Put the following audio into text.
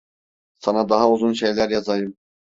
Sana daha uzun şeyler yazayım.